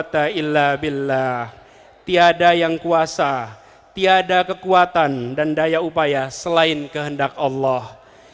tidak ada yang kuasa tidak ada kekuatan dan daya upaya selain kehendak allah